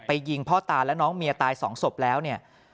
ยิงพ่อตาและน้องเมียตายสองศพแล้วเนี่ย